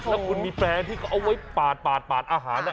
ถ้าคุณมีแปลงที่เขาเอาไว้ปาดปาดปาดอาหาร